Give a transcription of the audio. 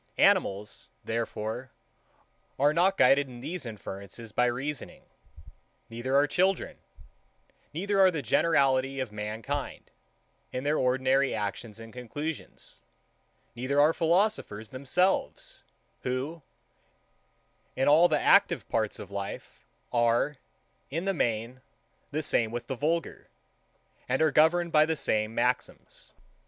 Animals, therefore, are not guided in these inferences by reasoning: Neither are children: Neither are the generality of mankind, in their ordinary actions and conclusions: Neither are philosophers themselves, who, in all the active parts of life, are, in the main, the same with the vulgar, and are governed by the same maxims.